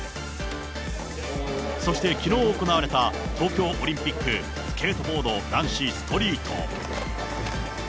そしてきのう行われた、東京オリンピックスケートボード男子ストリート。